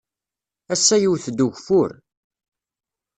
Ass-a yewwet-d ugeffur.